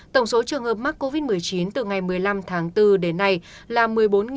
tổng số trường hợp mắc covid một mươi chín từ ngày một tháng bảy đến nay là một mươi một trăm một mươi chín ca cộng đồng